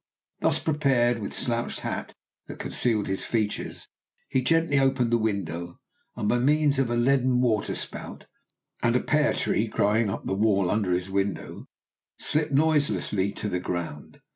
Thus prepared, with a slouched hat that concealed his features, he gently opened the window, and by means of a leaden water spout, and a pear tree growing up the wall under his window, slipped noiselessly to the ground.